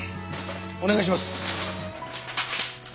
お願いします。